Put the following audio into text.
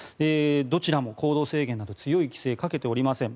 どちらも行動制限など強い規制はかけていません。